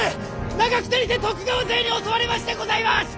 長久手にて徳川勢に襲われましてございます！